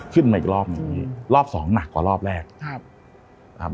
ขึ้นมาอีกรอบหนึ่งรอบสองหนักกว่ารอบแรกครับครับ